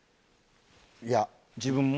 いや、自分も？